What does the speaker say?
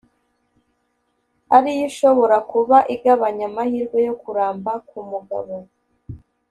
ariyo ishobora kuba igabanya amahirwe yo kuramba ku mugabo